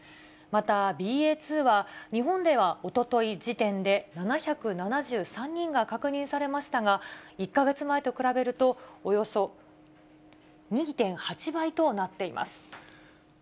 また、ＢＡ．２は日本ではおととい時点で、７７３人が確認されましたが、１か月前と比べると、およそ２．８倍となっています。